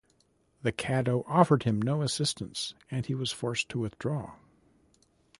The Caddo offered him no assistance, and he was forced to withdraw.